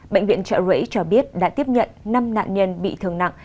bệnh viện trợ rẫy cho biết đã tiếp nhận năm nạn nhân bị thương nặng